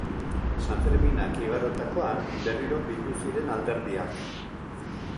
Sanferminak igarotakoan, berriro bildu ziren alderdiak.